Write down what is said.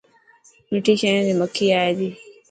مٺي شين تي مکي اي تي.